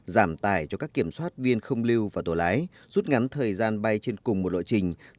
giảm tải cho các kiểm soát viên không lưu và tổ lái rút ngắn thời gian bay trên cùng một lộ trình